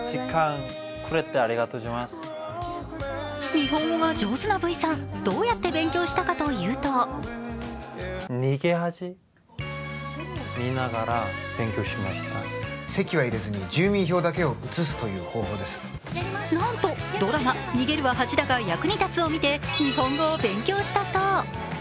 日本語が上手なＶさん、どうやって勉強したかというとなんとドラマ「逃げるは恥だが役に立つ」を見て日本語を勉強したそう。